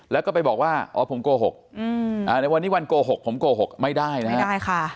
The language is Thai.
แล้วก็ไปบอกว่าอ๋อผมโกหกในวันนี้วันโกหกผมโกหกไม่ได้นะฮะ